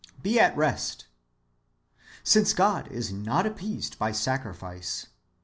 Be at rest;"^ since God is not appeased by sacrifice.